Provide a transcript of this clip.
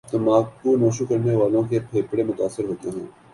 تمباکو نوشی کرنے والے کے پھیپھڑے متاثر ہوتے ہیں